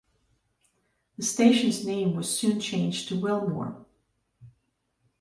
The station's name was soon changed to Wilmore.